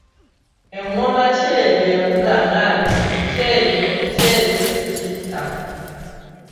"Engoma kyejo yavuganga nti “Kyejo, kyejo kitta.”"